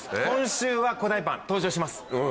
今週は古代パン登場します。